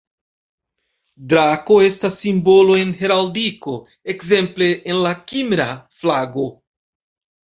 Drako estas simbolo en Heraldiko, ekzemple en la Kimra flago.